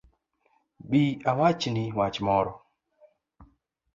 Bi awachni wach moro